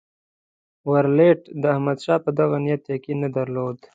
ورلسټ د احمدشاه په دغه نیت یقین نه درلود.